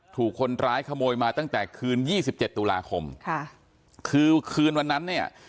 ถูกคนร้ายขโมยมาตั้งแต่คืน๒๗กฎาคมค่ะคือคืนวันนั้นเนี่ย